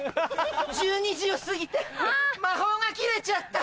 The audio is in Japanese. １２時を過ぎて魔法が切れちゃった。